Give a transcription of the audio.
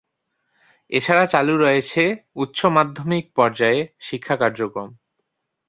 এছাড়া চালু রয়েছে উচ্চ মাধ্যমিক পর্যায়ে শিক্ষা কার্যক্রম।